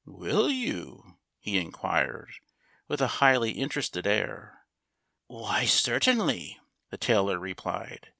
"Will you?" he inquired, with a highly interested air. "Why, certainly!" the tailor replied.